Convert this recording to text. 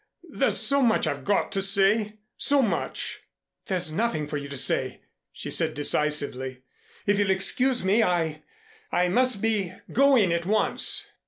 There's so much I've got to say, so much " "There's nothing for you to say," she said decisively. "If you'll excuse me I I must be going at once."